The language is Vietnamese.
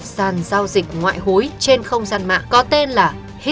và thứ hai là